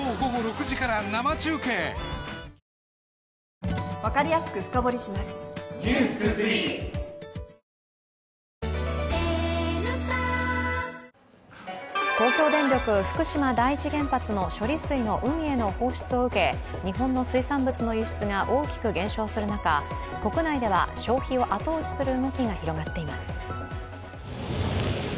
自分らしく秋を楽しもう東京電力・福島第一原発の処理水の海への放出を受け、日本の水産物の輸出が大きく減少する中国内では消費を後押しする動きが広がっています。